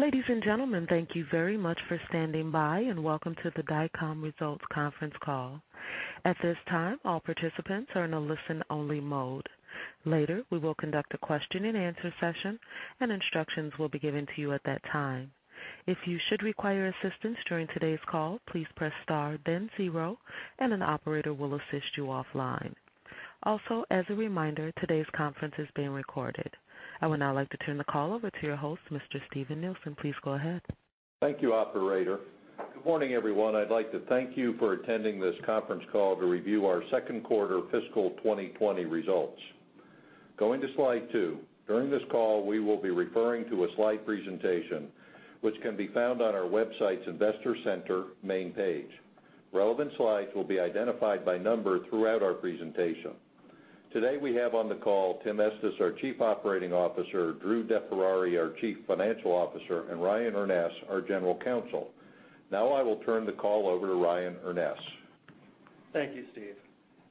Ladies and gentlemen, thank you very much for standing by, and welcome to the Dycom Results Conference Call. At this time, all participants are in a listen-only mode. Later, we will conduct a question and answer session, and instructions will be given to you at that time. If you should require assistance during today's call, please press star then zero, and an operator will assist you offline. Also, as a reminder, today's conference is being recorded. I would now like to turn the call over to your host, Mr. Steven Nielsen. Please go ahead. Thank you, operator. Good morning, everyone. I'd like to thank you for attending this conference call to review our second quarter fiscal 2020 results. Going to slide two. During this call, we will be referring to a slide presentation, which can be found on our website's investor center main page. Relevant slides will be identified by number throughout our presentation. Today, we have on the call Tim Estes, our Chief Operating Officer, Drew DeFerrari, our Chief Financial Officer, and Ryan Urness, our General Counsel. Now I will turn the call over to Ryan Urness. Thank you, Steve.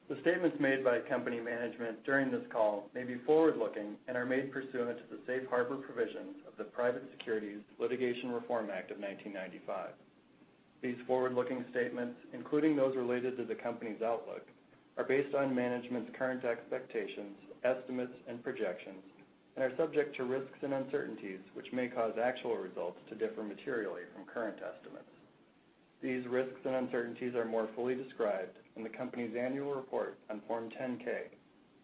The statements made by company management during this call may be forward-looking and are made pursuant to the safe harbor provisions of the Private Securities Litigation Reform Act of 1995. These forward-looking statements, including those related to the company's outlook, are based on management's current expectations, estimates, and projections, and are subject to risks and uncertainties, which may cause actual results to differ materially from current estimates. These risks and uncertainties are more fully described in the company's annual report on Form 10-K,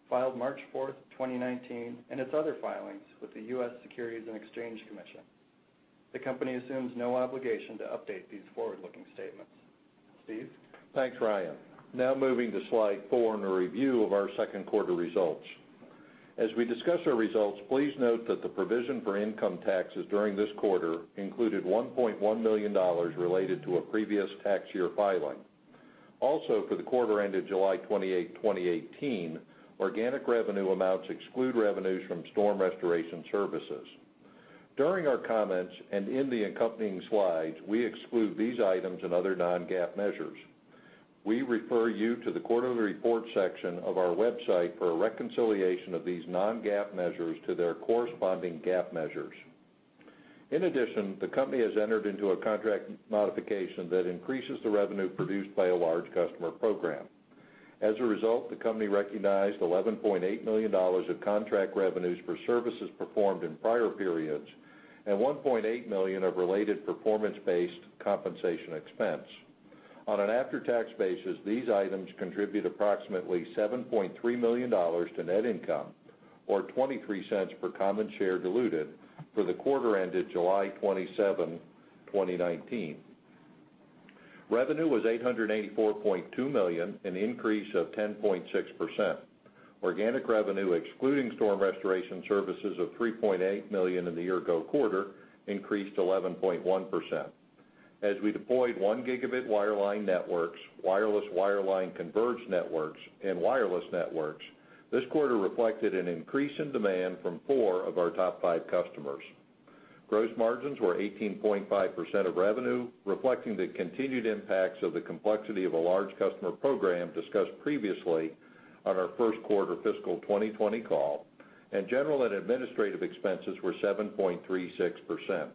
filed March 4th, 2019, and its other filings with the U.S. Securities and Exchange Commission. The company assumes no obligation to update these forward-looking statements. Steve? Thanks, Ryan. Now moving to slide four and a review of our second quarter results. As we discuss our results, please note that the provision for income taxes during this quarter included $1.1 million related to a previous tax year filing. Also, for the quarter ended July 28, 2018, organic revenue amounts exclude revenues from storm restoration services. During our comments and in the accompanying slides, we exclude these items and other non-GAAP measures. We refer you to the quarterly report section of our website for a reconciliation of these non-GAAP measures to their corresponding GAAP measures. In addition, the company has entered into a contract modification that increases the revenue produced by a large customer program. As a result, the company recognized $11.8 million of contract revenues for services performed in prior periods and $1.8 million of related performance-based compensation expense. On an after-tax basis, these items contribute approximately $7.3 million to net income, or $0.23 per common share diluted for the quarter ended July 27, 2019. Revenue was $884.2 million, an increase of 10.6%. Organic revenue excluding storm restoration services of $3.8 million in the year-ago quarter increased 11.1%. As we deployed one gigabit wireline networks, wireless wireline converged networks and wireless networks, this quarter reflected an increase in demand from four of our top five customers. Gross margins were 18.5% of revenue, reflecting the continued impacts of the complexity of a large customer program discussed previously on our first quarter fiscal 2020 call, and general and administrative expenses were 7.36%.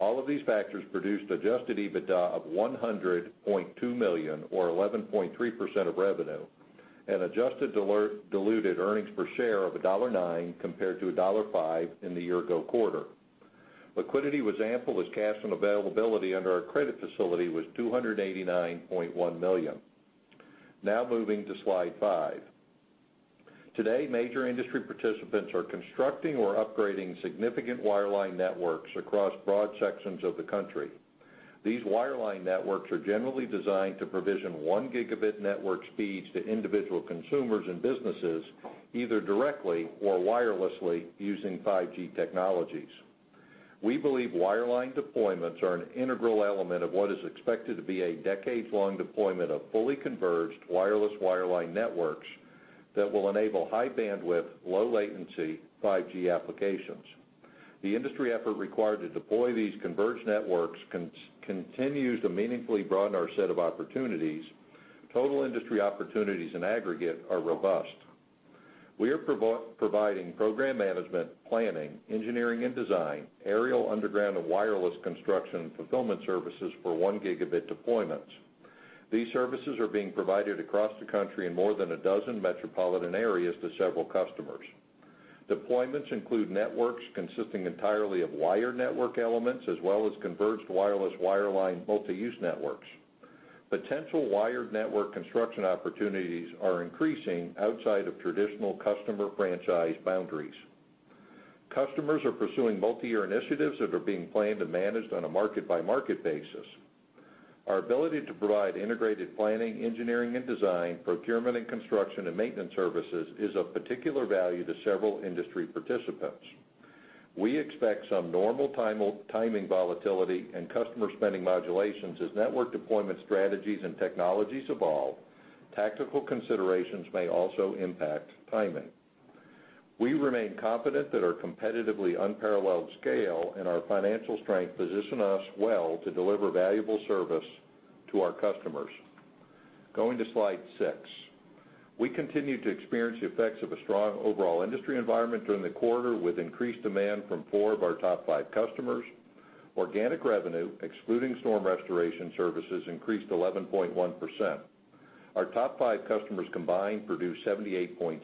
All of these factors produced adjusted EBITDA of $100.2 million, or 11.3% of revenue, and adjusted diluted earnings per share of $1.09, compared to $1.05 in the year-ago quarter. Liquidity was ample as cash on availability under our credit facility was $289.1 million. Moving to slide five. Today, major industry participants are constructing or upgrading significant wireline networks across broad sections of the country. These wireline networks are generally designed to provision one gigabit network speeds to individual consumers and businesses, either directly or wirelessly using 5G technologies. We believe wireline deployments are an integral element of what is expected to be a decades-long deployment of fully converged wireless wireline networks that will enable high bandwidth, low latency 5G applications. The industry effort required to deploy these converged networks continues to meaningfully broaden our set of opportunities. Total industry opportunities in aggregate are robust. We are providing program management, planning, engineering and design, aerial, underground, and wireless construction and fulfillment services for one gigabit deployments. These services are being provided across the country in more than 12 metropolitan areas to several customers. Deployments include networks consisting entirely of wired network elements as well as converged wireless wireline multi-use networks. Potential wired network construction opportunities are increasing outside of traditional customer franchise boundaries. Customers are pursuing multi-year initiatives that are being planned and managed on a market-by-market basis. Our ability to provide integrated planning, engineering and design, procurement and construction and maintenance services is of particular value to several industry participants. We expect some normal timing volatility and customer spending modulations as network deployment strategies and technologies evolve. Tactical considerations may also impact timing. We remain confident that our competitively unparalleled scale and our financial strength position us well to deliver valuable service to our customers. Going to slide six. We continued to experience the effects of a strong overall industry environment during the quarter, with increased demand from four of our top five customers. Organic revenue, excluding storm restoration services, increased 11.1%. Our top five customers combined produced 78.6%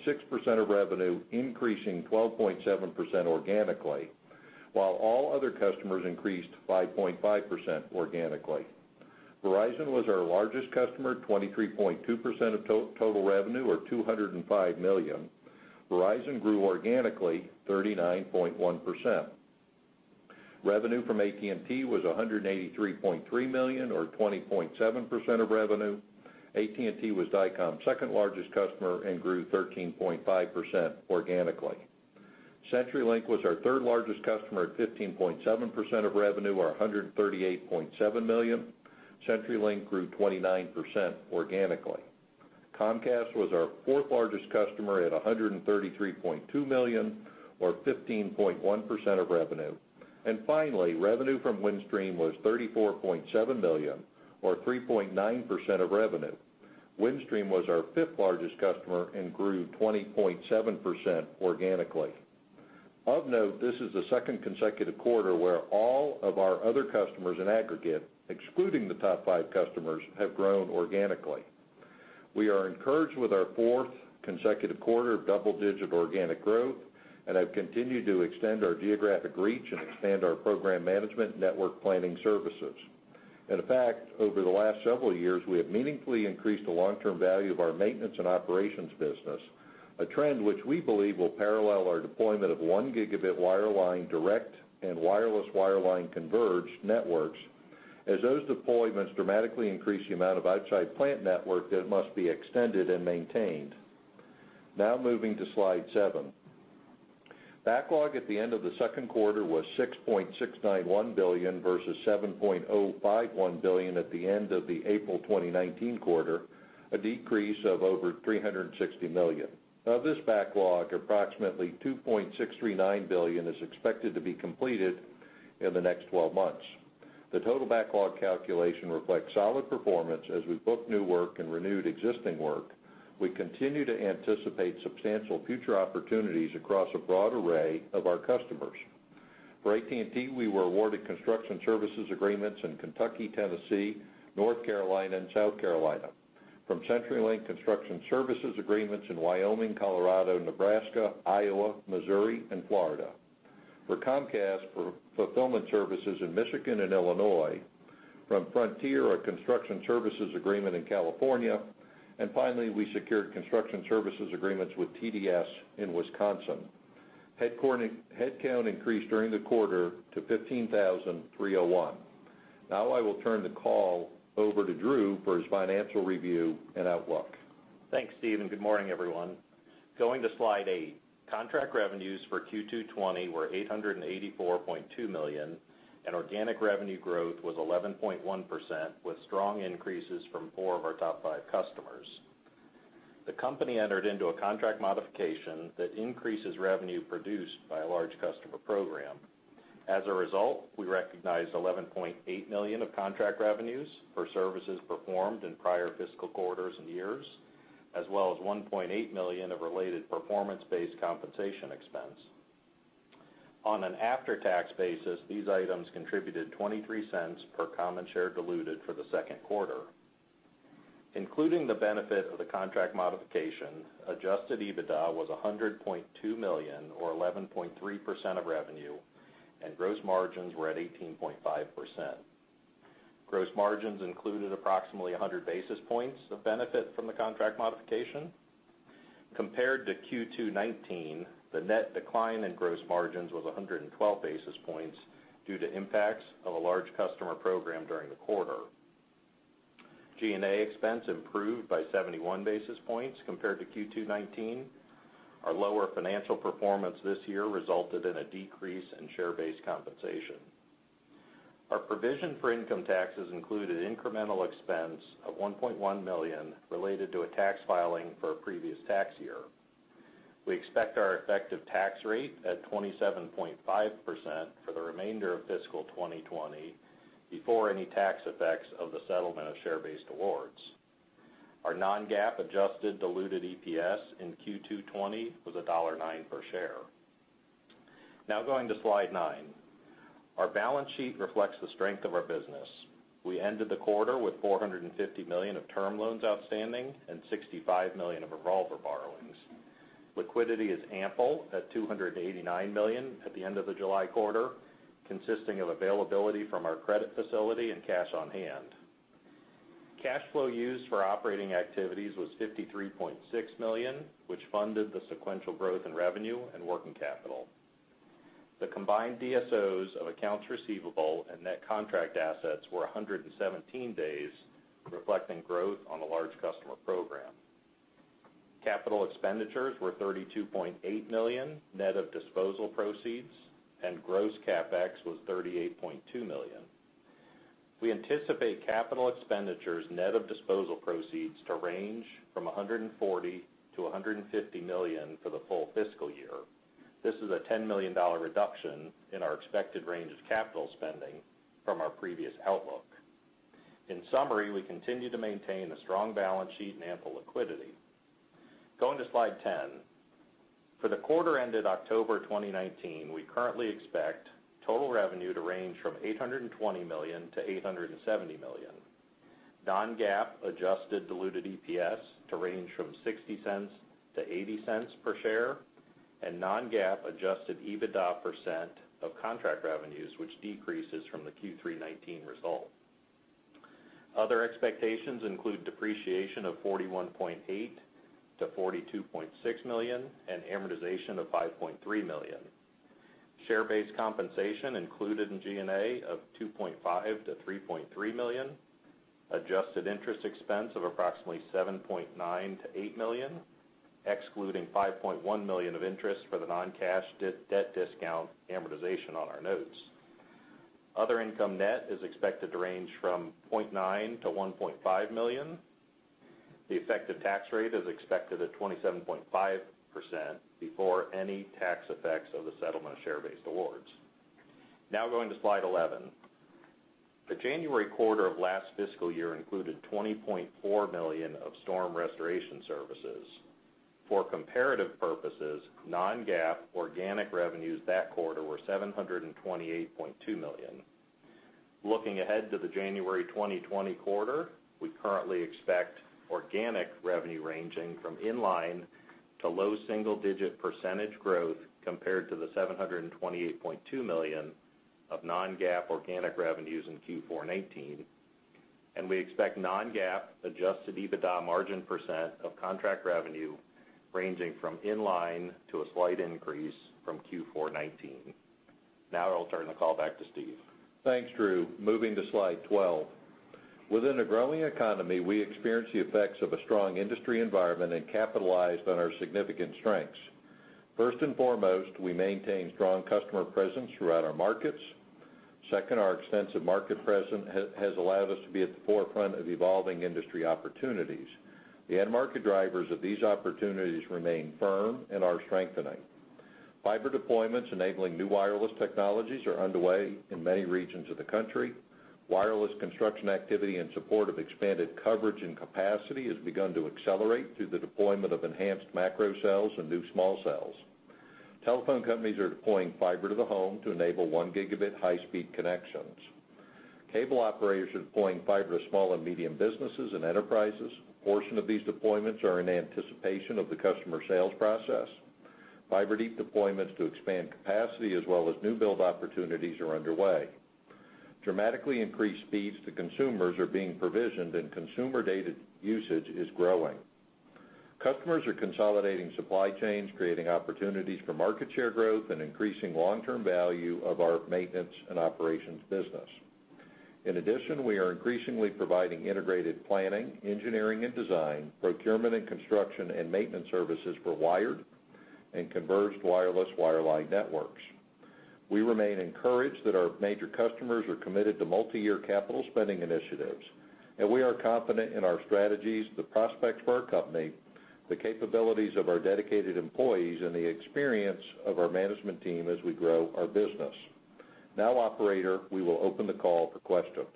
of revenue, increasing 12.7% organically, while all other customers increased 5.5% organically. Verizon was our largest customer at 23.2% of total revenue, or $205 million. Verizon grew organically 39.1%. Revenue from AT&T was $183.3 million, or 20.7% of revenue. AT&T was Dycom's second largest customer and grew 13.5% organically. CenturyLink was our third largest customer at 15.7% of revenue, or $138.7 million. CenturyLink grew 29% organically. Comcast was our fourth largest customer at $133.2 million, or 15.1% of revenue. Finally, revenue from Windstream was $34.7 million, or 3.9% of revenue. Windstream was our fifth largest customer and grew 20.7% organically. Of note, this is the second consecutive quarter where all of our other customers in aggregate, excluding the top five customers, have grown organically. We are encouraged with our fourth consecutive quarter of double-digit organic growth and have continued to extend our geographic reach and expand our program management network planning services. In fact, over the last several years, we have meaningfully increased the long-term value of our maintenance and operations business, a trend which we believe will parallel our deployment of one gigabit wireline direct and wireless wireline converged networks, as those deployments dramatically increase the amount of outside plant network that must be extended and maintained. Moving to slide seven. Backlog at the end of the second quarter was $6.691 billion versus $7.051 billion at the end of the April 2019 quarter, a decrease of over $360 million. Of this backlog, approximately $2.639 billion is expected to be completed in the next 12 months. The total backlog calculation reflects solid performance as we book new work and renewed existing work. We continue to anticipate substantial future opportunities across a broad array of our customers. For AT&T, we were awarded construction services agreements in Kentucky, Tennessee, North Carolina, and South Carolina. From CenturyLink, construction services agreements in Wyoming, Colorado, Nebraska, Iowa, Missouri, and Florida. For Comcast, fulfillment services in Michigan and Illinois. From Frontier, a construction services agreement in California. Finally, we secured construction services agreements with TDS in Wisconsin. Headcount increased during the quarter to 15,301. Now I will turn the call over to Drew for his financial review and outlook. Thanks, Steve, and good morning, everyone. Going to slide eight. Contract revenues for Q2 2020 were $884.2 million, and organic revenue growth was 11.1%, with strong increases from four of our top five customers. The company entered into a contract modification that increases revenue produced by a large customer program. As a result, we recognized $11.8 million of contract revenues for services performed in prior fiscal quarters and years, as well as $1.8 million of related performance-based compensation expense. On an after-tax basis, these items contributed $0.23 per common share diluted for the second quarter. Including the benefit of the contract modification, adjusted EBITDA was $100.2 million, or 11.3% of revenue, and gross margins were at 18.5%. Gross margins included approximately 100 basis points of benefit from the contract modification. Compared to Q2 2019, the net decline in gross margins was 112 basis points due to impacts of a large customer program during the quarter. G&A expense improved by 71 basis points compared to Q2 2019. Our lower financial performance this year resulted in a decrease in share-based compensation. Our provision for income taxes included incremental expense of $1.1 million related to a tax filing for a previous tax year. We expect our effective tax rate at 27.5% for the remainder of fiscal 2020, before any tax effects of the settlement of share-based awards. Our non-GAAP adjusted diluted EPS in Q2 2020 was $1.09 per share. Now going to slide nine. Our balance sheet reflects the strength of our business. We ended the quarter with $450 million of term loans outstanding and $65 million of revolver borrowings. Liquidity is ample at $289 million at the end of the July quarter, consisting of availability from our credit facility and cash on hand. Cash flow used for operating activities was $53.6 million, which funded the sequential growth in revenue and working capital. The combined DSOs of accounts receivable and net contract assets were 117 days, reflecting growth on a large customer program. Capital expenditures were $32.8 million, net of disposal proceeds, and gross CapEx was $38.2 million. We anticipate capital expenditures net of disposal proceeds to range from $140 million-$150 million for the full fiscal year. This is a $10 million reduction in our expected range of capital spending from our previous outlook. In summary, we continue to maintain a strong balance sheet and ample liquidity. Going to slide 10. For the quarter ended October 2019, we currently expect total revenue to range from $820 million-$870 million. Non-GAAP adjusted diluted EPS to range from $0.60-$0.80 per share, and non-GAAP adjusted EBITDA % of contract revenues, which decreases from the Q3 2019 result. Other expectations include depreciation of $41.8 million-$42.6 million, and amortization of $5.3 million. Share-based compensation included in G&A of $2.5 million-$3.3 million. Adjusted interest expense of approximately $7.9 million-$8 million, excluding $5.1 million of interest for the non-cash debt discount amortization on our notes. Other income net is expected to range from $0.9 million-$1.5 million. The effective tax rate is expected at 27.5% before any tax effects of the settlement of share-based awards. Going to slide 11. The January quarter of last fiscal year included $20.4 million of storm restoration services. For comparative purposes, non-GAAP organic revenues that quarter were $728.2 million. Looking ahead to the January 2020 quarter, we currently expect organic revenue ranging from inline to low single-digit percentage growth compared to the $728.2 million of non-GAAP organic revenues in Q4 '19. We expect non-GAAP adjusted EBITDA margin percent of contract revenue ranging from inline to a slight increase from Q4 '19. Now I'll turn the call back to Steve. Thanks, Drew. Moving to slide 12. Within a growing economy, we experience the effects of a strong industry environment and capitalized on our significant strengths. First and foremost, we maintain strong customer presence throughout our markets. Second, our extensive market presence has allowed us to be at the forefront of evolving industry opportunities. The end market drivers of these opportunities remain firm and are strengthening. Fiber deployments enabling new wireless technologies are underway in many regions of the country. Wireless construction activity in support of expanded coverage and capacity has begun to accelerate through the deployment of enhanced macro cells and new small cells. Telephone companies are deploying fiber to the home to enable one gigabit high-speed connections. Cable operators are deploying fiber to small and medium businesses and enterprises. A portion of these deployments are in anticipation of the customer sales process. fiber deep deployments to expand capacity as well as new build opportunities are underway. Dramatically increased speeds to consumers are being provisioned and consumer data usage is growing. Customers are consolidating supply chains, creating opportunities for market share growth and increasing long-term value of our maintenance and operations business. In addition, we are increasingly providing integrated planning, engineering and design, procurement and construction, and maintenance services for wired and converged wireless wireline networks. We remain encouraged that our major customers are committed to multiyear capital spending initiatives, and we are confident in our strategies, the prospects for our company, the capabilities of our dedicated employees, and the experience of our management team as we grow our business. Now, operator, we will open the call for questions.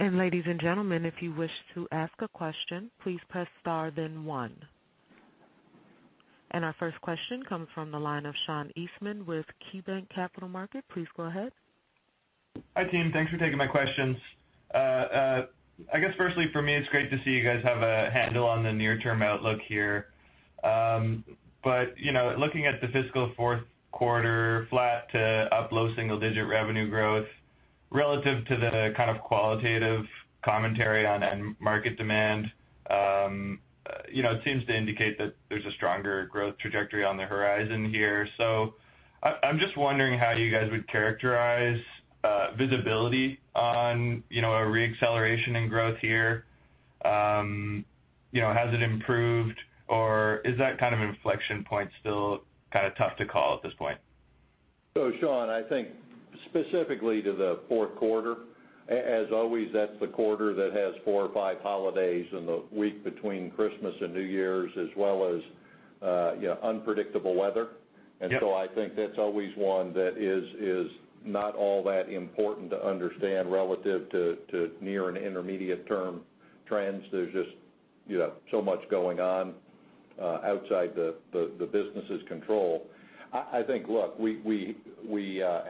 Ladies and gentlemen, if you wish to ask a question, please press star then one. Our first question comes from the line of Sean Eastman with KeyBanc Capital Markets. Please go ahead. Hi, team. Thanks for taking my questions. I guess firstly for me, it's great to see you guys have a handle on the near-term outlook here. Looking at the fiscal fourth quarter, flat to up low single-digit revenue growth relative to the kind of qualitative commentary on end market demand, it seems to indicate that there's a stronger growth trajectory on the horizon here. I'm just wondering how you guys would characterize visibility on a re-acceleration in growth here. Has it improved or is that kind of inflection point still kind of tough to call at this point? Sean, I think specifically to the fourth quarter, as always, that's the quarter that has four or five holidays in the week between Christmas and New Year's, as well as unpredictable weather. Yep. I think that's always one that is not all that important to understand relative to near and intermediate term trends. There's just so much going on outside the business' control. I think, look, we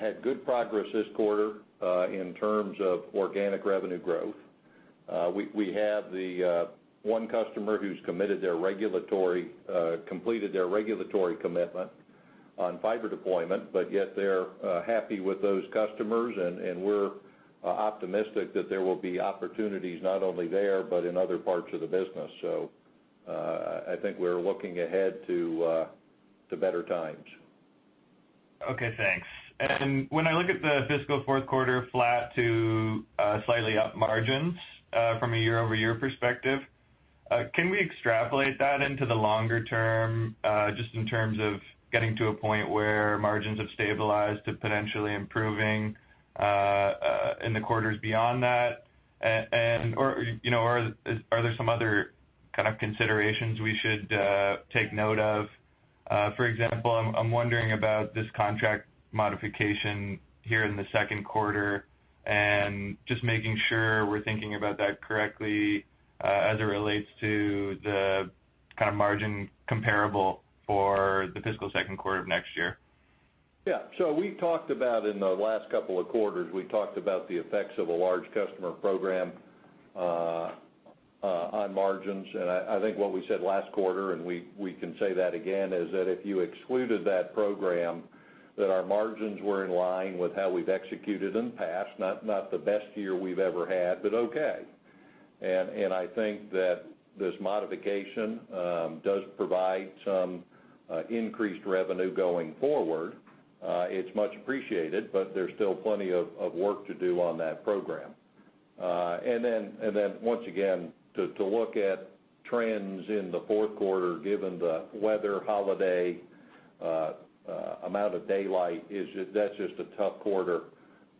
had good progress this quarter in terms of organic revenue growth. We have the one customer who's completed their regulatory commitment on fiber deployment, but yet they're happy with those customers and we're optimistic that there will be opportunities not only there but in other parts of the business. I think we're looking ahead to better times. Okay, thanks. When I look at the fiscal fourth quarter flat to slightly up margins from a year-over-year perspective. Can we extrapolate that into the longer term, just in terms of getting to a point where margins have stabilized to potentially improving in the quarters beyond that? Are there some other kind of considerations we should take note of? For example, I'm wondering about this contract modification here in the second quarter, and just making sure we're thinking about that correctly as it relates to the kind of margin comparable for the fiscal second quarter of next year. Yeah. We talked about in the last couple of quarters, we talked about the effects of a large customer program on margins. I think what we said last quarter, and we can say that again, is that if you excluded that program, that our margins were in line with how we've executed in the past, not the best year we've ever had, but okay. I think that this modification does provide some increased revenue going forward. It's much appreciated, but there's still plenty of work to do on that program. Once again, to look at trends in the fourth quarter, given the weather, holiday, amount of daylight, that's just a tough quarter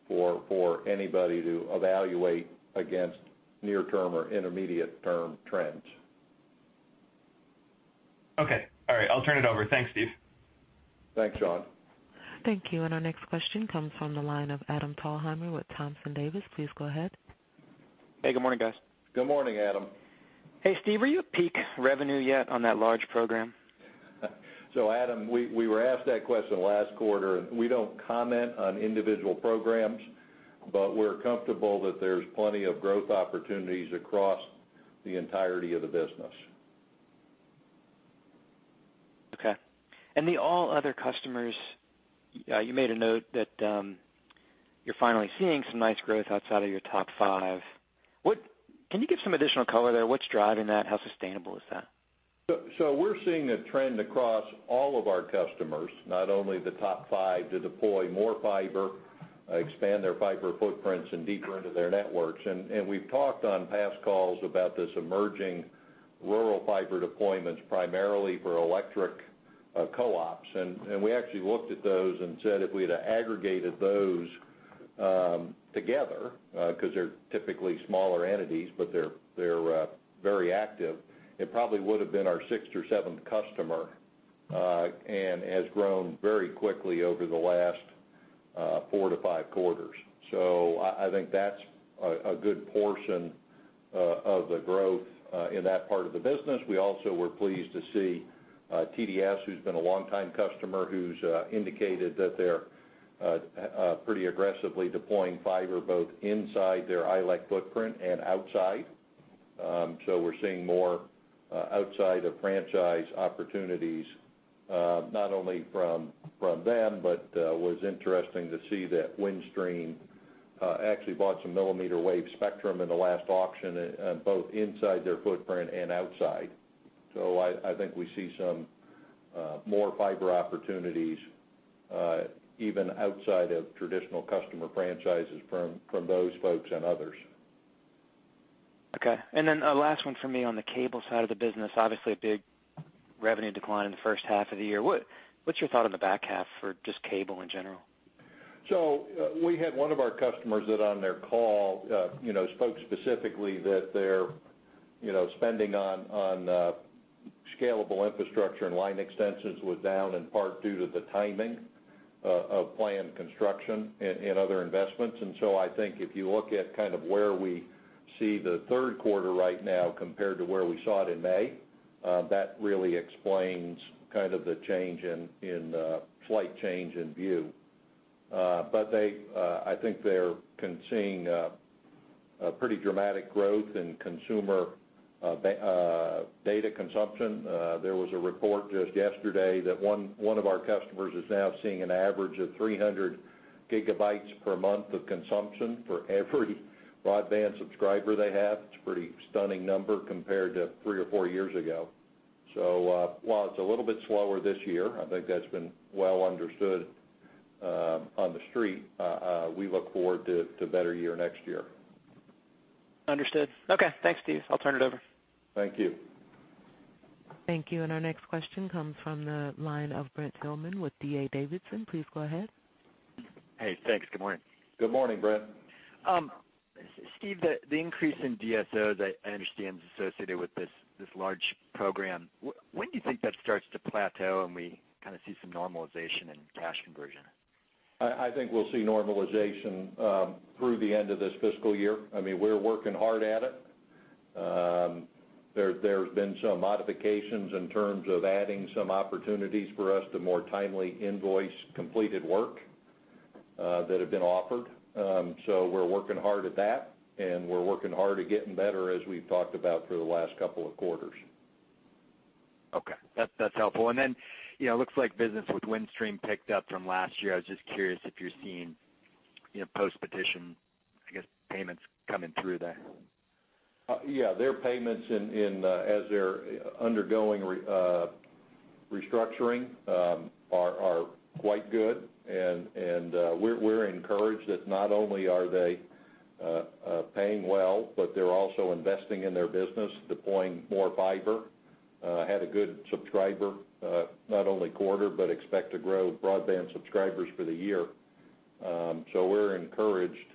for anybody to evaluate against near term or intermediate term trends. Okay. All right. I'll turn it over. Thanks, Steve. Thanks, Sean. Thank you. Our next question comes from the line of Adam Thalhimer with Thompson Davis. Please go ahead. Hey, good morning, guys. Good morning, Adam. Hey, Steve, are you at peak revenue yet on that large program? Adam, we were asked that question last quarter, and we don't comment on individual programs, but we're comfortable that there's plenty of growth opportunities across the entirety of the business. Okay. The all other customers, you made a note that you're finally seeing some nice growth outside of your top five. Can you give some additional color there? What's driving that? How sustainable is that? We're seeing a trend across all of our customers, not only the top 5, to deploy more fiber, expand their fiber footprints and deeper into their networks. We've talked on past calls about this emerging rural fiber deployments, primarily for electric co-ops. We actually looked at those and said if we'd have aggregated those together, because they're typically smaller entities, but they're very active, it probably would have been our sixth or seventh customer, and has grown very quickly over the last four to five quarters. I think that's a good portion of the growth in that part of the business. We also were pleased to see TDS, who's been a longtime customer, who's indicated that they're pretty aggressively deploying fiber, both inside their ILEC footprint and outside. We're seeing more outside of franchise opportunities, not only from them, but was interesting to see that Windstream actually bought some millimeter wave spectrum in the last auction, both inside their footprint and outside. I think we see some more fiber opportunities, even outside of traditional customer franchises from those folks and others. Okay. A last one for me on the cable side of the business, obviously a big revenue decline in the first half of the year. What's your thought on the back half for just cable in general? We had one of our customers that on their call, spoke specifically that their spending on scalable infrastructure and line extensions was down in part due to the timing of planned construction and other investments. I think if you look at kind of where we see the third quarter right now compared to where we saw it in May, that really explains kind of the change in flight change in view. I think they're seeing a pretty dramatic growth in consumer data consumption. There was a report just yesterday that one of our customers is now seeing an average of 300 gigabytes per month of consumption for every broadband subscriber they have. It's a pretty stunning number compared to three or four years ago. While it's a little bit slower this year, I think that's been well understood on the street, we look forward to a better year next year. Understood. Okay. Thanks, Steve. I'll turn it over. Thank you. Thank you. Our next question comes from the line of Brent Thielman with D.A. Davidson. Please go ahead. Hey, thanks. Good morning. Good morning, Brent. Steve, the increase in DSO that I understand is associated with this large program, when do you think that starts to plateau and we kind of see some normalization in cash conversion? I think we'll see normalization through the end of this fiscal year. I mean, we're working hard at it. There's been some modifications in terms of adding some opportunities for us to more timely invoice completed work that have been offered. We're working hard at that, and we're working hard at getting better, as we've talked about through the last couple of quarters. Okay. That's helpful. It looks like business with Windstream picked up from last year. I was just curious if you're seeing post-petition, I guess, payments coming through there. Yeah, their payments as they're undergoing restructuring are quite good. We're encouraged that not only are they paying well, but they're also investing in their business, deploying more fiber, had a good subscriber, not only quarter, but expect to grow broadband subscribers for the year. We're encouraged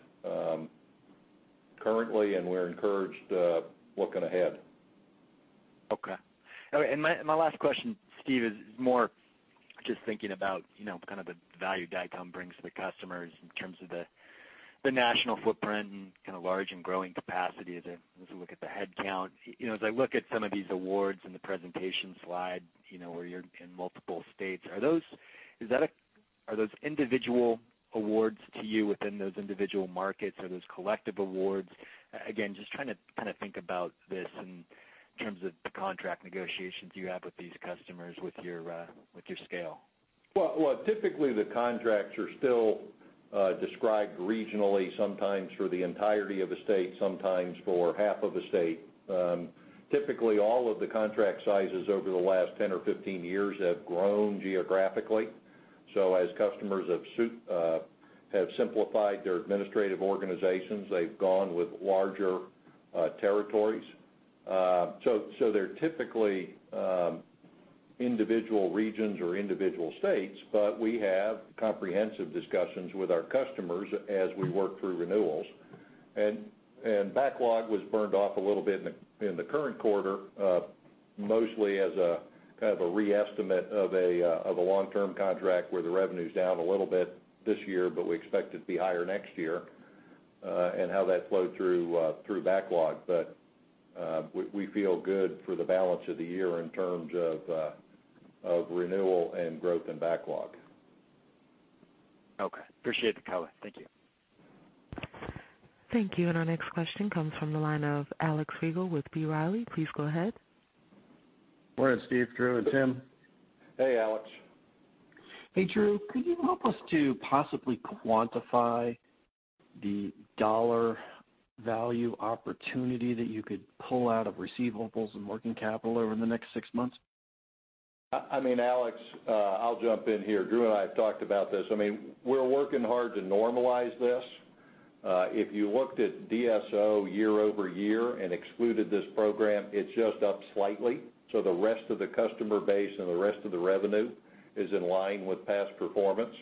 currently, we're encouraged looking ahead. Okay. My last question, Steve, is more just thinking about kind of the value Dycom brings to the customers in terms of the national footprint and kind of large and growing capacity as I look at the headcount. As I look at some of these awards in the presentation slide, where you're in multiple states, are those individual awards to you within those individual markets? Are those collective awards? Again, just trying to think about this in terms of the contract negotiations you have with these customers with your scale. Well, typically, the contracts are still described regionally, sometimes for the entirety of a state, sometimes for half of a state. Typically, all of the contract sizes over the last 10 or 15 years have grown geographically. As customers have simplified their administrative organizations, they've gone with larger territories. They're typically individual regions or individual states, but we have comprehensive discussions with our customers as we work through renewals. Backlog was burned off a little bit in the current quarter, mostly as a kind of a re-estimate of a long-term contract where the revenue's down a little bit this year, but we expect it to be higher next year, and how that flowed through backlog. We feel good for the balance of the year in terms of renewal and growth in backlog. Okay. Appreciate the color. Thank you. Thank you. Our next question comes from the line of Alex Rygiel with B. Riley. Please go ahead. Morning, Steve, Drew, and Tim. Hey, Alex. Hey, Drew, could you help us to possibly quantify the dollar value opportunity that you could pull out of receivables and working capital over the next six months? Alex, I'll jump in here. Drew and I have talked about this. We're working hard to normalize this. If you looked at DSO year-over-year and excluded this program, it's just up slightly. The rest of the customer base and the rest of the revenue is in line with past performance.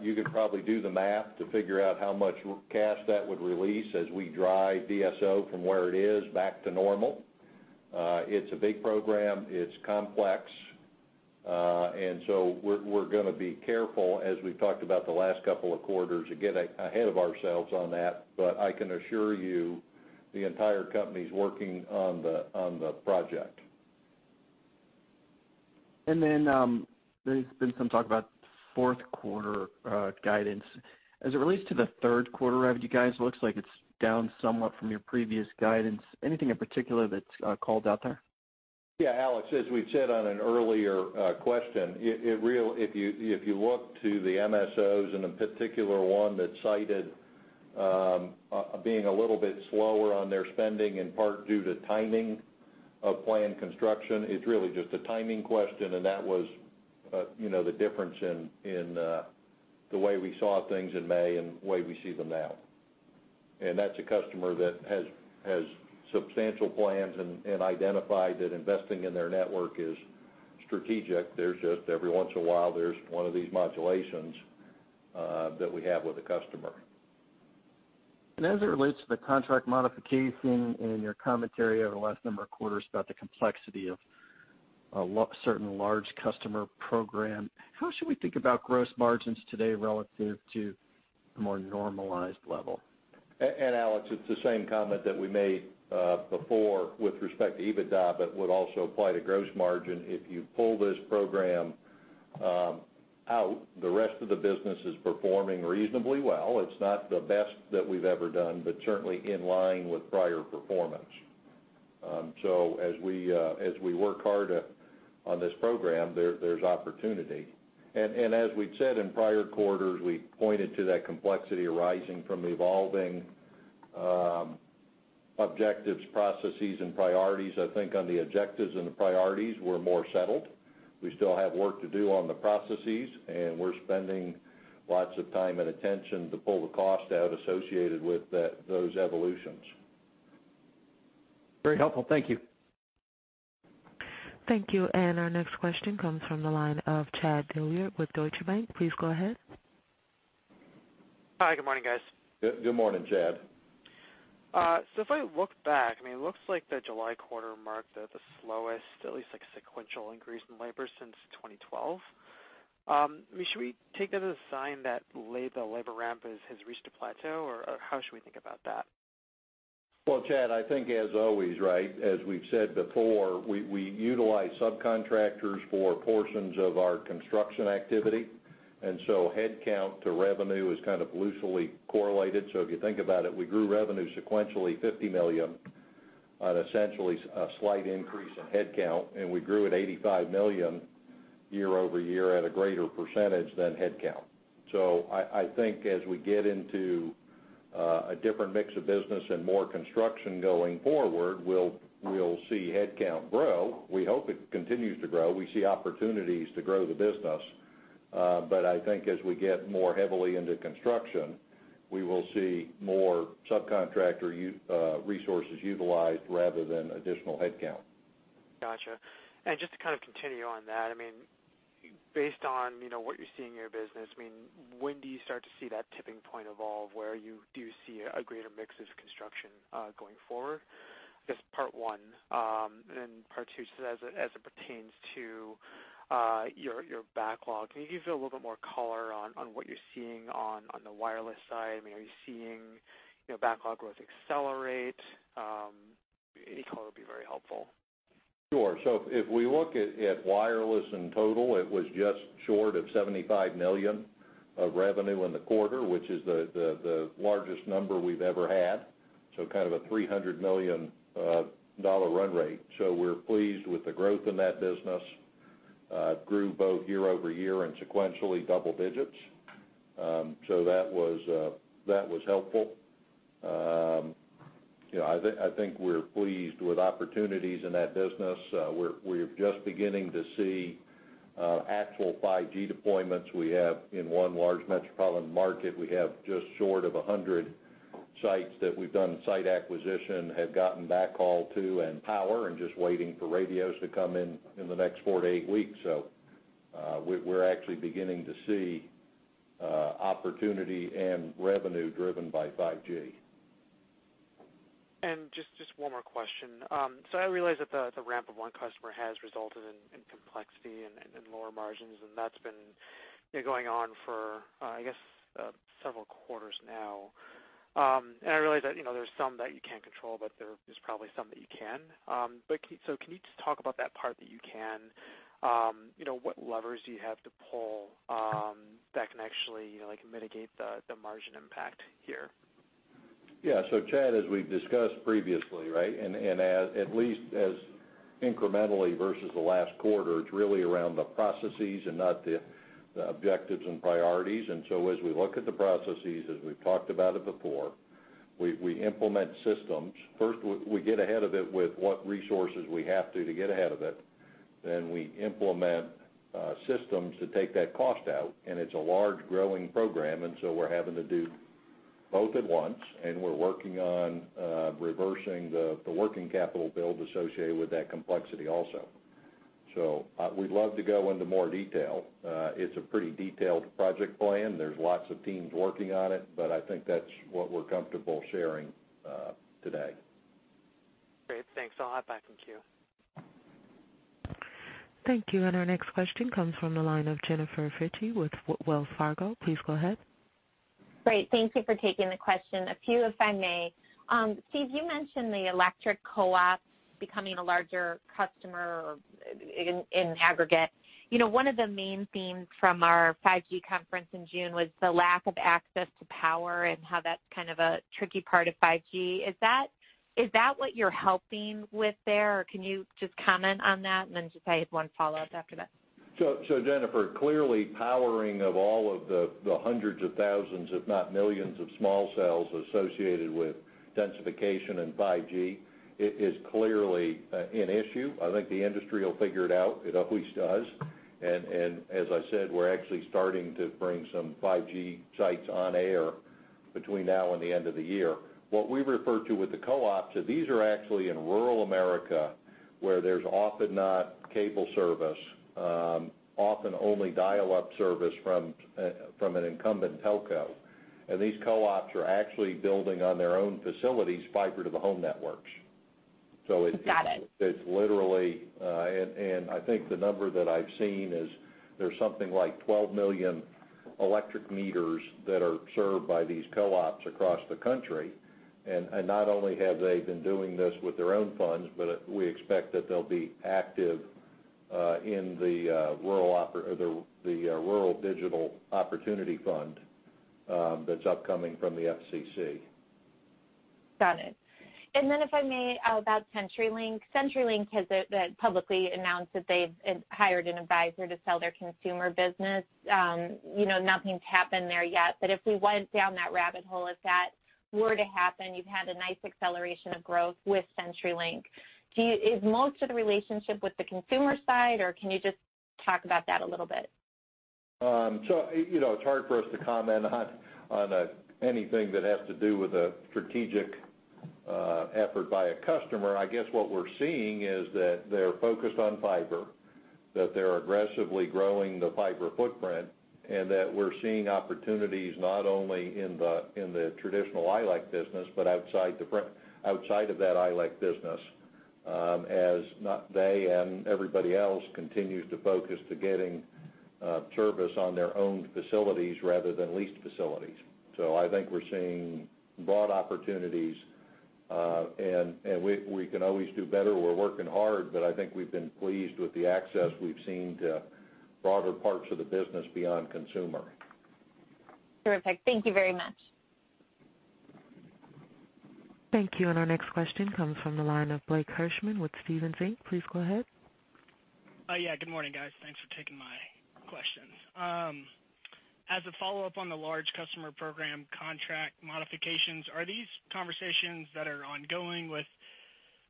You could probably do the math to figure out how much cash that would release as we drive DSO from where it is back to normal. It's a big program, it's complex, and so we're going to be careful, as we've talked about the last couple of quarters, to get ahead of ourselves on that. I can assure you, the entire company's working on the project. There's been some talk about fourth quarter guidance. As it relates to the third quarter revenue, guys, it looks like it's down somewhat from your previous guidance. Anything in particular that calls out there? Yeah, Alex, as we've said on an earlier question, if you look to the MSOs and a particular one that cited being a little bit slower on their spending in part due to timing of planned construction, it's really just a timing question, and that was the difference in the way we saw things in May and way we see them now. That's a customer that has substantial plans and identified that investing in their network is strategic. There's just every once in a while, there's one of these modulations that we have with a customer. As it relates to the contract modification and your commentary over the last number of quarters about the complexity of a certain large customer program, how should we think about gross margins today relative to a more normalized level? Alex, it's the same comment that we made before with respect to EBITDA, but would also apply to gross margin. If you pull this program out, the rest of the business is performing reasonably well. It's not the best that we've ever done, but certainly in line with prior performance. As we work hard on this program, there's opportunity. As we'd said in prior quarters, we pointed to that complexity arising from evolving objectives, processes, and priorities. I think on the objectives and the priorities, we're more settled. We still have work to do on the processes, and we're spending lots of time and attention to pull the cost out associated with those evolutions. Very helpful. Thank you. Thank you. Our next question comes from the line of Chad Dillard with Deutsche Bank. Please go ahead. Hi, good morning, guys. Good morning, Chad. If I look back, it looks like the July quarter marked the slowest, at least like sequential increase in labor since 2012. Should we take that as a sign that the labor ramp has reached a plateau, or how should we think about that? Well, Chad, I think as always, as we've said before, we utilize subcontractors for portions of our construction activity, headcount to revenue is kind of loosely correlated. If you think about it, we grew revenue sequentially $50 million on essentially a slight increase in headcount, and we grew at $85 million year-over-year at a greater percentage than headcount. I think as we get into a different mix of business and more construction going forward, we'll see headcount grow. We hope it continues to grow. We see opportunities to grow the business. I think as we get more heavily into construction, we will see more subcontractor resources utilized rather than additional headcount. Got you. Just to continue on that, based on what you see in your business, when do you start to see that tipping point evolve where you do see a greater mix of construction going forward? I guess part one. Part two, as it pertains to your backlog, can you give a little bit more color on what you're seeing on the wireless side? Are you seeing backlog growth accelerate? Any color would be very helpful. Sure. If we look at wireless in total, it was just short of $75 million of revenue in the quarter, which is the largest number we've ever had. Kind of a $300 million run rate. We're pleased with the growth in that business. Grew both year-over-year and sequentially double digits. That was helpful. I think we're pleased with opportunities in that business. We're just beginning to see actual 5G deployments. In one large metropolitan market, we have just short of 100 sites that we've done site acquisition, have gotten backhaul to, and power, and just waiting for radios to come in in the next four to eight weeks. We're actually beginning to see opportunity and revenue driven by 5G. Just one more question. I realize that the ramp of one customer has resulted in complexity and in lower margins, and that's been going on for, I guess, several quarters now. I realize that there's some that you can't control, but there is probably some that you can. Can you just talk about that part that you can? What levers do you have to pull that can actually mitigate the margin impact here? Yeah. Chad, as we've discussed previously, right? At least as incrementally versus the last quarter, it's really around the processes and not the objectives and priorities. As we look at the processes, as we've talked about it before, we implement systems. First, we get ahead of it with what resources we have to get ahead of it. We implement systems to take that cost out, and it's a large growing program. We're having to do both at once, and we're working on reversing the working capital build associated with that complexity also. We'd love to go into more detail. It's a pretty detailed project plan. There's lots of teams working on it. I think that's what we're comfortable sharing today. Great. Thanks. I'll hop back in queue. Thank you. Our next question comes from the line of Jennifer Fritzsche with Wells Fargo. Please go ahead. Great. Thank you for taking the question. A few, if I may. Steve, you mentioned the electric co-op becoming a larger customer in aggregate. One of the main themes from our 5G conference in June was the lack of access to power and how that's kind of a tricky part of 5G. Is that what you're helping with there? Can you just comment on that? Just I have one follow-up after that. Jennifer, clearly powering of all of the hundreds of thousands, if not millions of small cells associated with densification and 5G, it is clearly an issue. I think the industry will figure it out. It always does. As I said, we're actually starting to bring some 5G sites on air between now and the end of the year. What we refer to with the co-ops, so these are actually in rural America, where there's often not cable service, often only dial-up service from an incumbent telco. These co-ops are actually building on their own facilities, fiber to the home networks. Got it. I think the number that I've seen is there's something like 12 million electric meters that are served by these co-ops across the country. Not only have they been doing this with their own funds, but we expect that they'll be active in the Rural Digital Opportunity Fund that's upcoming from the FCC. Got it. If I may, about CenturyLink. CenturyLink has publicly announced that they've hired an advisor to sell their consumer business. Nothing's happened there yet. If we went down that rabbit hole, if that were to happen, you've had a nice acceleration of growth with CenturyLink. Is most of the relationship with the consumer side, or can you just talk about that a little bit? It's hard for us to comment on anything that has to do with a strategic effort by a customer. I guess what we're seeing is that they're focused on fiber, that they're aggressively growing the fiber footprint, and that we're seeing opportunities not only in the traditional ILEC business, but outside of that ILEC business, as they and everybody else continues to focus to getting service on their own facilities rather than leased facilities. I think we're seeing broad opportunities. We can always do better. We're working hard, but I think we've been pleased with the access we've seen to broader parts of the business beyond consumer. Terrific. Thank you very much. Thank you. Our next question comes from the line of Blake Hirschman with Stephens Inc. Please go ahead. Yeah. Good morning, guys. Thanks for taking my questions. As a follow-up on the large customer program contract modifications, are these conversations that are ongoing with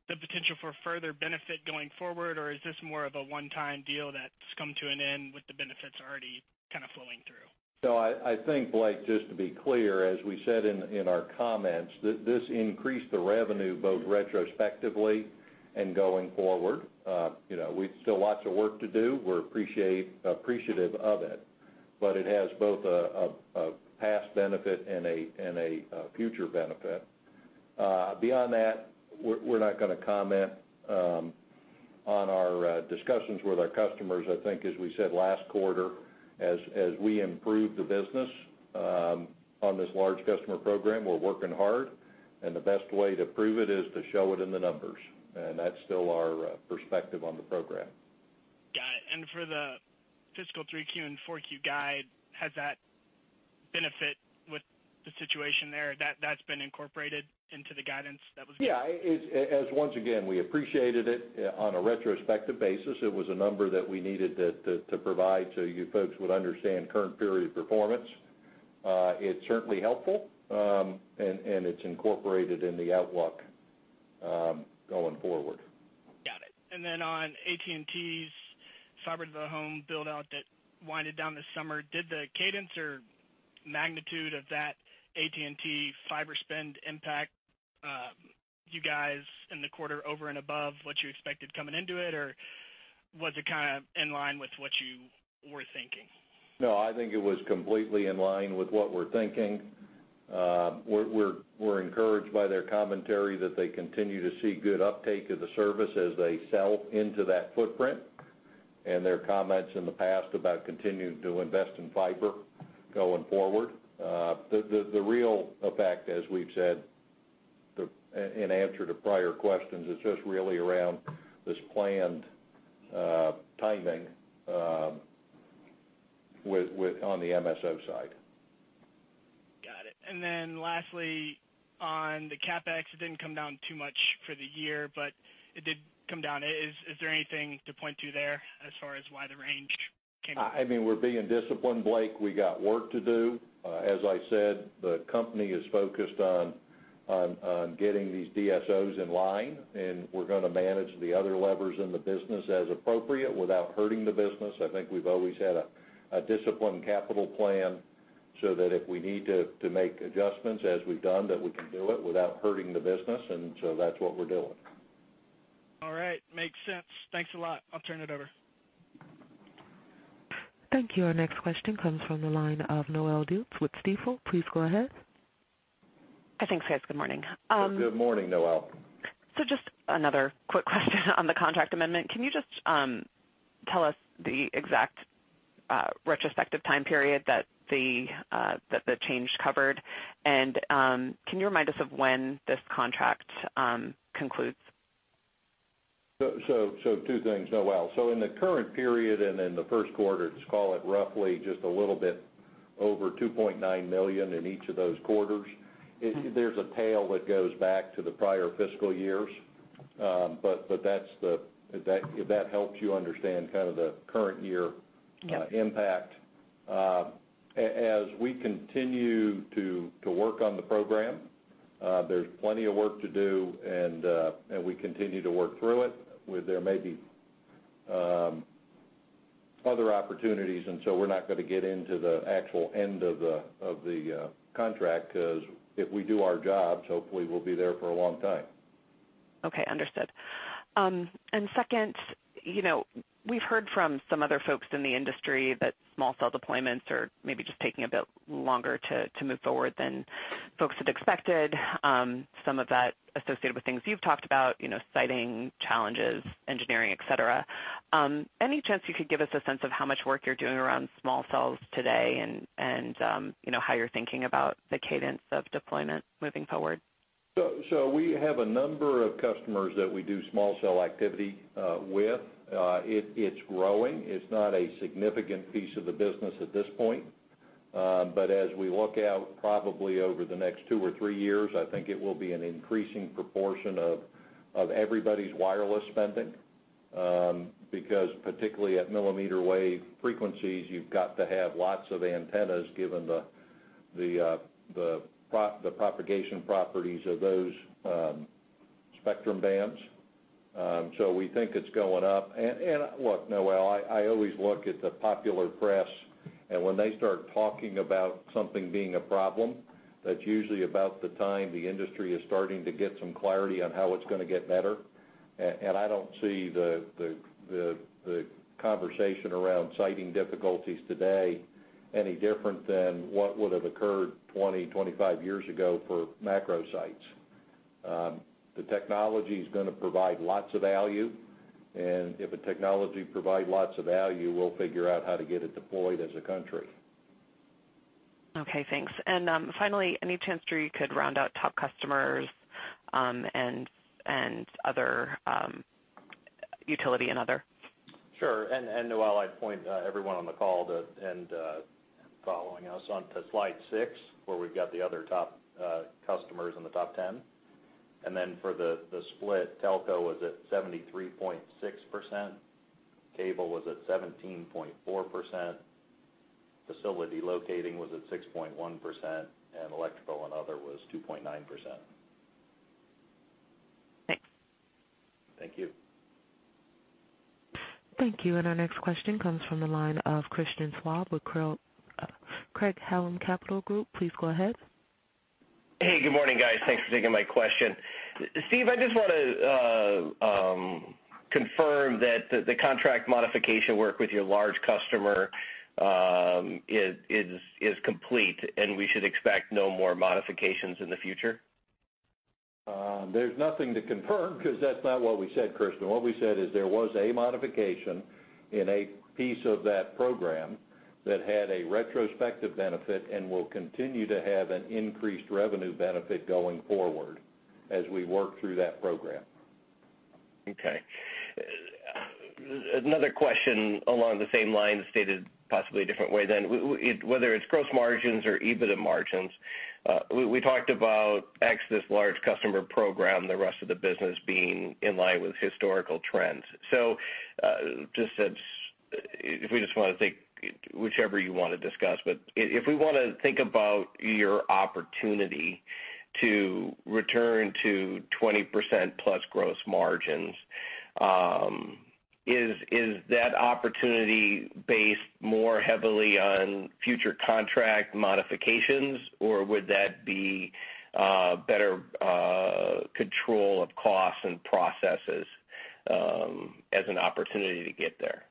the potential for further benefit going forward, or is this more of a one-time deal that's come to an end with the benefits already kind of flowing through? I think, Blake, just to be clear, as we said in our comments, this increased the revenue both retrospectively and going forward. We've still lots of work to do. We're appreciative of it, but it has both a past benefit and a future benefit. Beyond that, we're not going to comment on our discussions with our customers. I think, as we said last quarter, as we improve the business on this large customer program, we're working hard, and the best way to prove it is to show it in the numbers. That's still our perspective on the program. Got it. For the fiscal 3Q and 4Q guide, has that benefit with the situation there, that's been incorporated into the guidance that was given? Yeah. As once again, we appreciated it on a retrospective basis. It was a number that we needed to provide so you folks would understand current period performance. It's certainly helpful, and it's incorporated in the outlook going forward. Got it. Then on AT&T's fiber to the home build-out that wound down this summer, did the cadence or magnitude of that AT&T fiber spend impact you guys in the quarter over and above what you expected coming into it, or was it kind of in line with what you were thinking? No, I think it was completely in line with what we're thinking. We're encouraged by their commentary that they continue to see good uptake of the service as they sell into that footprint, and their comments in the past about continuing to invest in fiber going forward. The real effect, as we've said in answer to prior questions, is just really around this planned timing on the MSO side. Got it. Lastly, on the CapEx, it didn't come down too much for the year, but it did come down. Is there anything to point to there as far as why the range came down? We're being disciplined, Blake. We got work to do. As I said, the company is focused on getting these DSOs in line, and we're going to manage the other levers in the business as appropriate without hurting the business. I think we've always had a disciplined capital plan so that if we need to make adjustments as we've done, that we can do it without hurting the business. That's what we're doing. All right. Makes sense. Thanks a lot. I'll turn it over. Thank you. Our next question comes from the line of Noelle Dilts with Stifel. Please go ahead. Thanks, guys. Good morning. Good morning, Noelle. Just another quick question on the contract amendment. Can you just tell us the exact retrospective time period that the change covered? Can you remind us of when this contract concludes? Two things, Noelle. In the current period and in the first quarter, just call it roughly just a little bit over $2.9 million in each of those quarters. There's a tail that goes back to the prior fiscal years. If that helps you understand kind of the current year. Got it. impact. As we continue to work on the program, there's plenty of work to do, and we continue to work through it, where there may be other opportunities, and so we're not going to get into the actual end of the contract, because if we do our jobs, hopefully we'll be there for a long time. Okay. Understood. Second, we've heard from some other folks in the industry that small cell deployments are maybe just taking a bit longer to move forward than folks had expected. Some of that associated with things you've talked about, siting challenges, engineering, et cetera. Any chance you could give us a sense of how much work you're doing around small cells today and how you're thinking about the cadence of deployment moving forward? We have a number of customers that we do small cell activity with. It's growing. It's not a significant piece of the business at this point. As we look out probably over the next two or three years, I think it will be an increasing proportion of everybody's wireless spending, because particularly at millimeter wave frequencies, you've got to have lots of antennas given the propagation properties of those spectrum bands. We think it's going up. Look, Noelle, I always look at the popular press, and when they start talking about something being a problem, that's usually about the time the industry is starting to get some clarity on how it's going to get better. I don't see the conversation around siting difficulties today any different than what would have occurred 20, 25 years ago for macro sites. The technology's going to provide lots of value, and if a technology provides lots of value, we'll figure out how to get it deployed as a country. Okay, thanks. Finally, any chance you could round out top customers and other utility and other? Sure. Noelle, I'd point everyone on the call to, and following us, on to slide six, where we've got the other top customers in the top 10. For the split, telco was at 73.6%, cable was at 17.4%, facility locating was at 6.1%, and electrical and other was 2.9%. Thanks. Thank you. Thank you. Our next question comes from the line of Christian Schwab with Craig-Hallum Capital Group. Please go ahead. Hey, good morning, guys. Thanks for taking my question. Steve, I just want to confirm that the contract modification work with your large customer is complete, and we should expect no more modifications in the future? There's nothing to confirm because that's not what we said, Christian. What we said is there was a modification in a piece of that program that had a retrospective benefit and will continue to have an increased revenue benefit going forward as we work through that program. Okay. Another question along the same lines, stated possibly a different way. Whether it's gross margins or EBITDA margins, we talked about X, this large customer program, the rest of the business being in line with historical trends. If we just want to take whichever you want to discuss, but if we want to think about your opportunity to return to 20% plus gross margins, is that opportunity based more heavily on future contract modifications? Would that be better control of costs and processes as an opportunity to get there?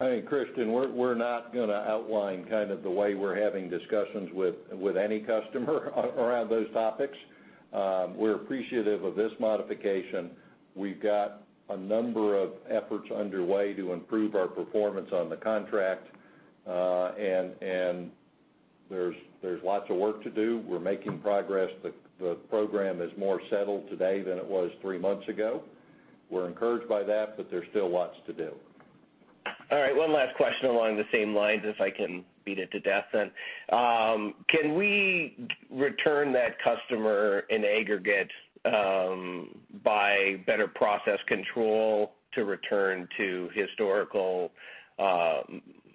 Hey, Christian, we're not going to outline kind of the way we're having discussions with any customer around those topics. We're appreciative of this modification. We've got a number of efforts underway to improve our performance on the contract. There's lots of work to do. We're making progress. The program is more settled today than it was three months ago. We're encouraged by that, but there's still lots to do. All right. One last question along the same lines, if I can beat it to death then. Can we return that customer in aggregate by better process control to return to historical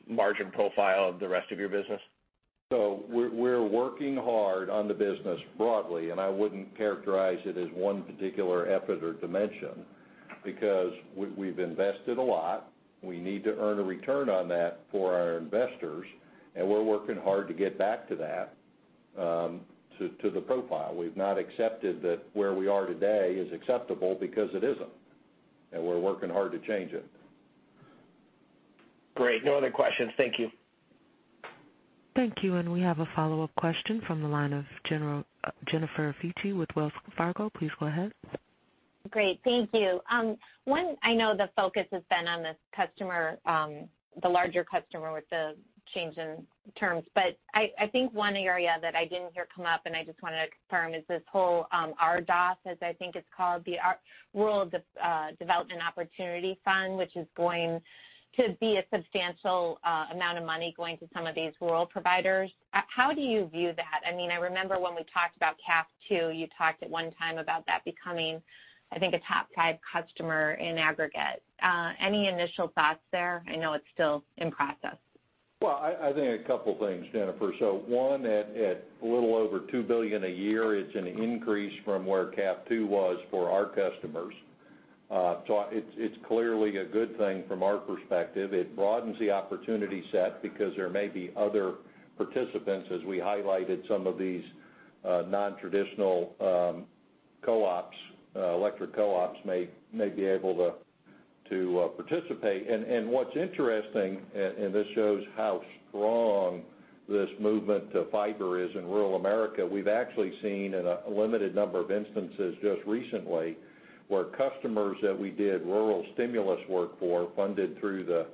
margin profile of the rest of your business? We're working hard on the business broadly, and I wouldn't characterize it as one particular effort or dimension because we've invested a lot. We need to earn a return on that for our investors, and we're working hard to get back to that, to the profile. We've not accepted that where we are today is acceptable because it isn't, and we're working hard to change it. Great. No other questions. Thank you. Thank you. We have a follow-up question from the line of Jennifer Fritzsche with Wells Fargo. Please go ahead. Great. Thank you. One, I know the focus has been on the larger customer with the change in terms, I think one area that I didn't hear come up and I just want to confirm, is this whole RDOF, as I think it's called, the Rural Digital Opportunity Fund, which is going to be a substantial amount of money going to some of these rural providers. How do you view that? I mean, I remember when we talked about CAF II, you talked at one time about that becoming, I think, a top five customer in aggregate. Any initial thoughts there? I know it's still in process. Well, I think a couple things, Jennifer. One, at a little over $2 billion a year, it's an increase from where CAF II was for our customers. It's clearly a good thing from our perspective. It broadens the opportunity set because there may be other participants, as we highlighted some of these non-traditional electric co-ops may be able to participate. What's interesting, and this shows how strong this movement to fiber is in rural America, we've actually seen in a limited number of instances just recently where customers that we did rural stimulus work for, funded through the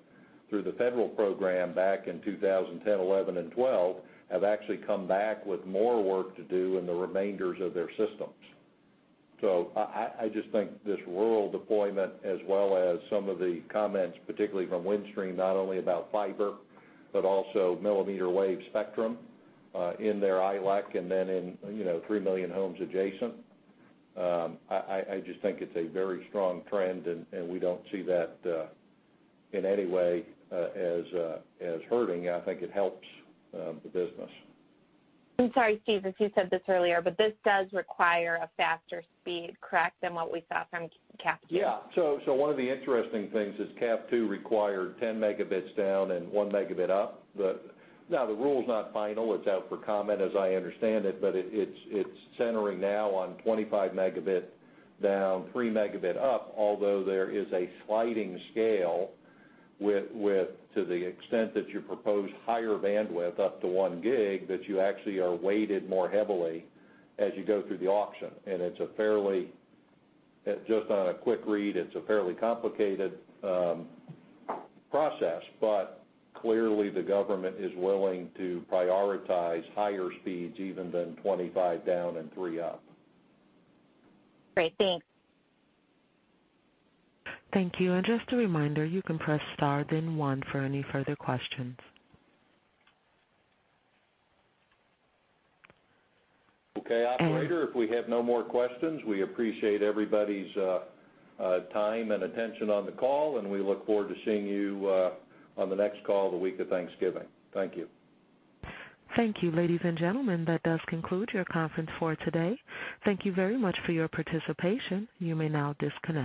federal program back in 2010, 2011, and 2012, have actually come back with more work to do in the remainders of their systems. I just think this rural deployment, as well as some of the comments, particularly from Windstream, not only about fiber, but also millimeter wave spectrum in their ILEC and then in 3 million homes adjacent. I just think it's a very strong trend, and we don't see that in any way as hurting. I think it helps the business. I'm sorry, Steve, if you said this earlier, but this does require a faster speed, correct, than what we saw from CAF II? Yeah. One of the interesting things is CAF II required 10 megabits down and one megabit up. Now the rule's not final, it's out for comment as I understand it, but it's centering now on 25 megabit down, three megabit up, although there is a sliding scale to the extent that you propose higher bandwidth, up to one gig, that you actually are weighted more heavily as you go through the auction. And just on a quick read, it's a fairly complicated process. But clearly the government is willing to prioritize higher speeds even than 25 down and three up. Great. Thanks. Thank you. Just a reminder, you can press star then one for any further questions. Okay, operator, if we have no more questions, we appreciate everybody's time and attention on the call. We look forward to seeing you on the next call the week of Thanksgiving. Thank you. Thank you, ladies and gentlemen, that does conclude your conference for today. Thank you very much for your participation. You may now disconnect.